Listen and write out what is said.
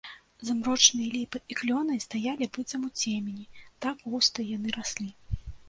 Змрочныя ліпы і клёны стаялі быццам у цемені, так густа яны раслі.